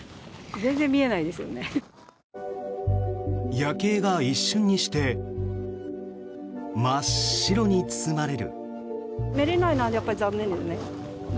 夜景が一瞬にして真っ白に包まれる。